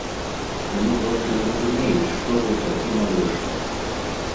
Яны проста не разумеюць, што гэта і навошта.